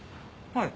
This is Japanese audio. はい。